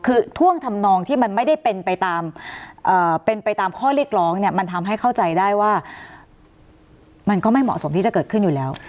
คือท่วงทำนองที่มันไม่ได้เป็นไปตามเป็นไปตามข้อเรียกร้องเนี่ยมันทำให้เข้าใจได้ว่ามันก็ไม่เหมาะสมที่จะเกิดขึ้นอยู่แล้ว